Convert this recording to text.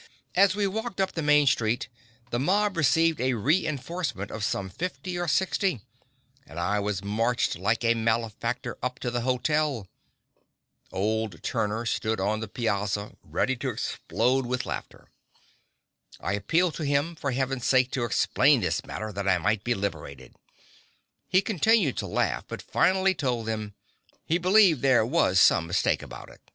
As we walked up the main street, the mob received a re enforcement of some fifty or sixty, and I was marched like a malefactor up to the hotel. Old Turner stood on the piazza ready to explode with laughter. I appealed to him for heaven's sake to explain this matter, that I might be liberated. He continued to laugh, but finally told them "he believed there was some mistake about it.